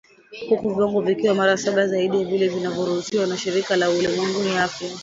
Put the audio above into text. Huku viwango vikiwa mara saba zaidi ya vile vinavyoruhusiwa na Shirika la Ulimwengu la Afya